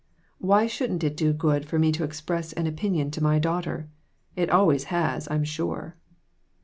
Why shouldn't it do good for me to express an opinion to my daughter? It always has, I am sure."